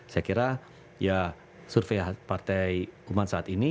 saya kira ya survei partai kuman saat ini